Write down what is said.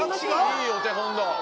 いいお手本だ。